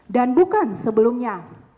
dan bukan sebelumnya